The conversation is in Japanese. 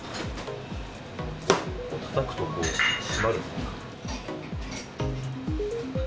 たたくとこう、締まるんです。